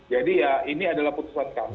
jadi ya ini adalah keputusan kami